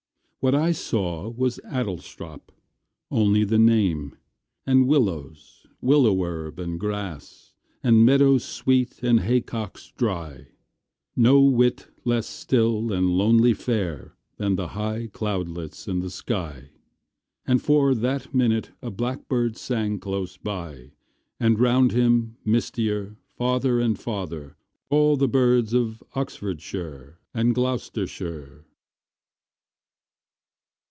What I saw Was Adlestrop only the name And willows, willow herb, and grass, And meadowsweet, and haycocks dry; No whit less still and lonely fair Than the high cloudlets in the sky. And for that minute a blackbird sang Close by, and round him, mistier, Farther and farther, all the birds Of Oxfordshire and Gloustershire.